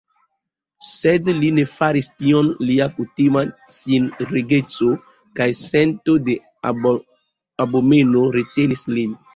Sed li ne faris tion; lia kutima sinregeco kaj sento de abomeno retenis lin.